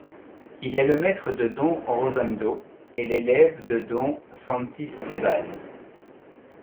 Il est le maître de don Rosendo, et l'élève de don Santisteban.